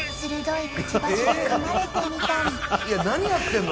いや何やってんの？